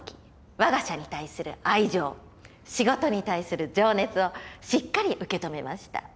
我が社に対する愛情仕事に対する情熱をしっかり受け止めました。